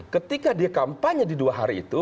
ketika dia kampanye di dua hari itu